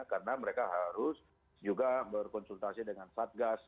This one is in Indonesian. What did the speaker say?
karena mereka harus juga berkonsultasi dengan satgas